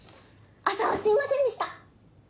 朝はすみませんでした！